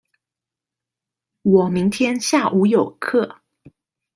我明天下午有課